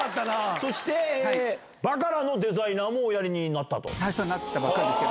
そして、バカラのデザイナーもおやりになったと。